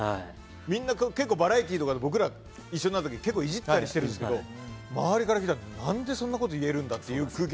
みんな結構バラエティーとかで僕ら一緒になる時結構イジったりしてるんですけど周りから見たら何でそんなことが言えるんだって